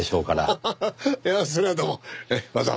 ハハハいやそれはどうもええわざわざ。